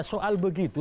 ya soal begitu